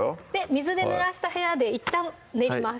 水でぬらしたヘラでいったん練ります